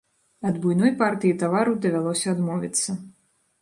Ад буйной партыі тавару давялося адмовіцца.